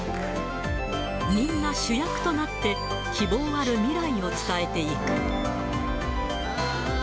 みんな主役となって、希望ある未来を伝えていく。